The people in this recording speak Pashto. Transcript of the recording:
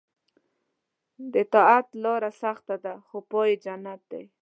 د طاعت لاره سخته ده خو پای یې جنت دی.